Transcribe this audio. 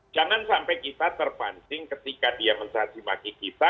jangan sampai kita terpancing ketika dia mencacimaki kita